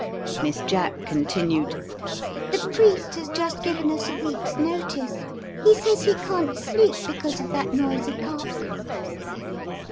Miss Jack continued :" The priest has just given us a week's notice ; he says he can't sleep because of that noisy cock."